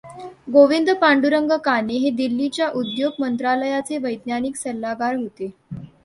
गोविंद पांडुरंग काणे हे दिल्लीच्या उद्योग मंत्रालयाचे वैज्ञानिक सल्लागार होते.